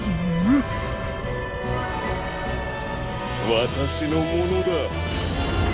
わたしのものだ。